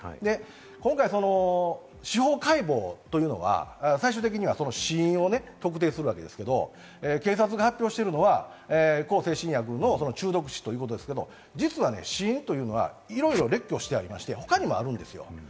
今回、司法解剖というのは最終的には死因を特定するわけですけれど、警察が発表しているのは向精神薬の中毒死ということですけれど、実は死因というのはいろいろ列挙してありまして、他にもあるんです。